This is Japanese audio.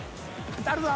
当たるぞ。